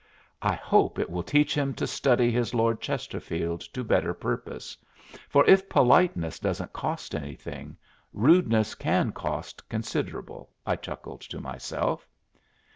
"I hope it will teach him to study his Lord Chesterfield to better purpose, for if politeness doesn't cost anything, rudeness can cost considerable," I chuckled to myself.